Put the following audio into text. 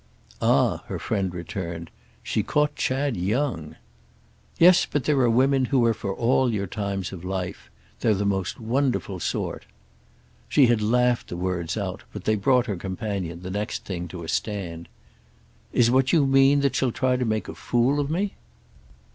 "Ah," her friend returned, "she caught Chad young!" "Yes, but there are women who are for all your 'times of life.' They're the most wonderful sort." She had laughed the words out, but they brought her companion, the next thing, to a stand. "Is what you mean that she'll try to make a fool of me?"